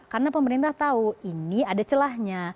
karena pemerintah tahu ini ada celahnya